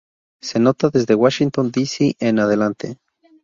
Se nota desde Washington D. C. en adelante.